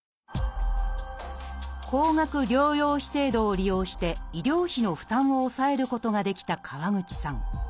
高額療養費制度を利用して医療費の負担を抑えることができた川口さん